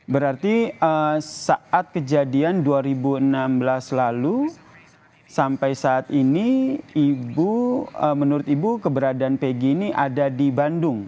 berarti saat kejadian dua ribu enam belas lalu sampai saat ini ibu menurut ibu keberadaan pg ini ada di bandung